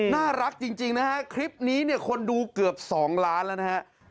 น่ารักจริงนะครับคลิปนี้คนดูเกือบสองล้านแล้วนะครับ